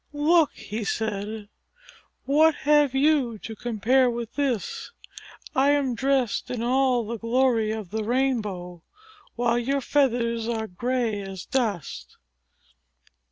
"Look," he said. "What have you to compare with this? I am dressed in all the glory of the rainbow, while your feathers are gray as dust!"